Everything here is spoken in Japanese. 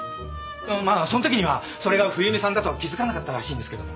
まあそんときにはそれが冬美さんだとは気づかなかったらしいんですけど。